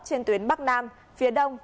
trên tuyến bắc nam phía đông